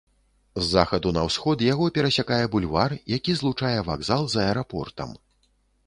З захаду на ўсход яго перасякае бульвар, які злучае вакзал з аэрапортам.